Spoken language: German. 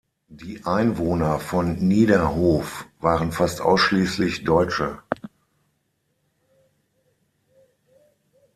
Die Einwohner von Niederhof waren fast ausschließlich Deutsche.